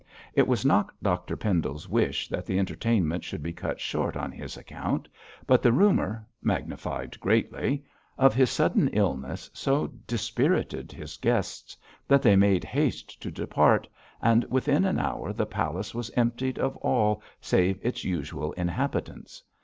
It was not Dr Pendle's wish that the entertainment should be cut short on his account, but the rumour magnified greatly of his sudden illness so dispirited his guests that they made haste to depart; and within an hour the palace was emptied of all save its usual inhabitants.